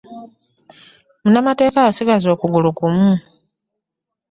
Munaamateeka yasigaza okugulu kumu.